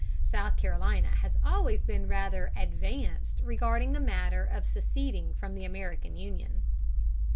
South Carolina has always been rather "advanced" regarding the matter of seceding from the American Union.